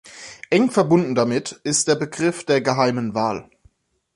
Eng verbunden damit ist der Begriff der "geheimen Wahl".